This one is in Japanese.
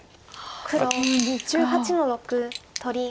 黒１８の六取り。